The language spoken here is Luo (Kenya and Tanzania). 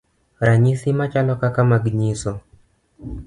Ranyisi machalo kaka mag nyiso